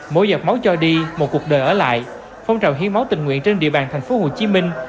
mỗi giọt máu cho đi một cuộc đời ở lại phong trào hiến máu tình nguyện trên địa bàn thành phố hồ chí minh